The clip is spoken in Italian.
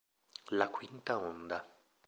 La quinta onda